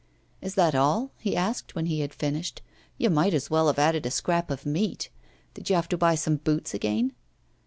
'Is that all?' he asked, when he had finished. 'You might as well have added a scrap of meat. Did you have to buy some boots again?